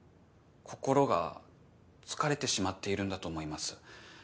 心が疲れてしまっているんだと思います。